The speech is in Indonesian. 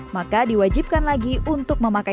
maka diwajibkan lagi untuk memakai